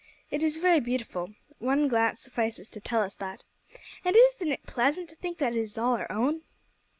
It is very beautiful. One glance suffices to tell us that. And isn't it pleasant to think that it is all our own?"